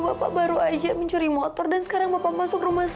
bapak baru aja mencuri motor dan sekarang bapak masuk rumah